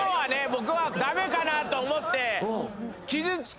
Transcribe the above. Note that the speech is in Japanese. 僕は駄目かなと思って。